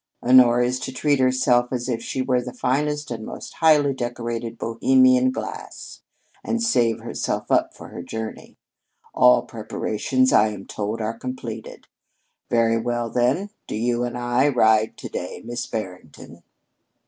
"Honora is to treat herself as if she were the finest and most highly decorated bohemian glass, and save herself up for her journey. All preparations, I am told, are completed. Very well, then. Do you and I ride to day, Miss Barrington?"